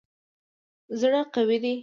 زړه قوي دی.